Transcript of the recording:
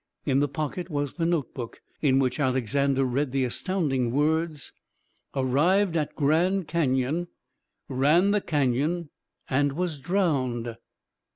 In the pocket was the note book, in which Alexander read the astounding words: 'Arrived at Grand Canyon. Ran the canyon and was drowned.'